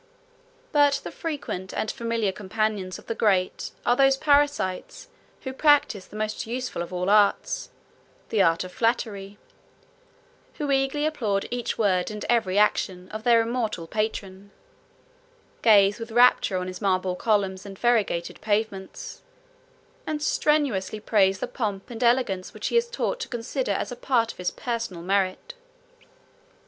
But the frequent and familiar companions of the great, are those parasites, who practise the most useful of all arts, the art of flattery; who eagerly applaud each word, and every action, of their immortal patron; gaze with rapture on his marble columns and variegated pavements; and strenuously praise the pomp and elegance which he is taught to consider as a part of his personal merit.